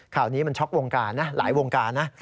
ข่าวนี้มันช็อกวงการนะหลายวงการนะ